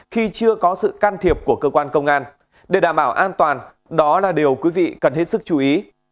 khi chưa có sự can thiệp của cơ quan công an để đảm bảo an toàn đó là điều quý vị cần hết sức chú ý